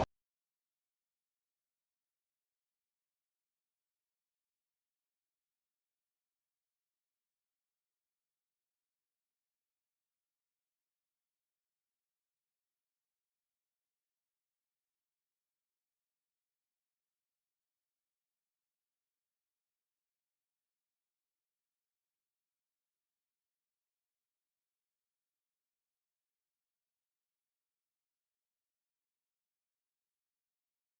aku bisa bantu siapkan semua pikiran kamu